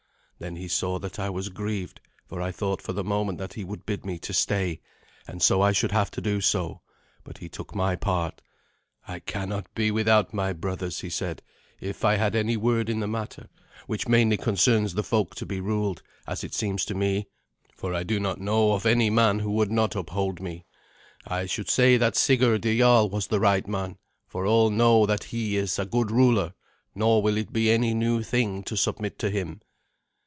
Then he saw that I was grieved, for I thought for the moment that he would bid me to stay, and so I should have to do so; but he took my part. "I cannot be without my brothers," he said. "If I had any word in the matter which mainly concerns the folk to be ruled, as it seems to me (for I do not know of any man who would not uphold me) I should say that Sigurd the jarl was the right man, for all know that he is a good ruler, nor will it be any new thing to submit to him."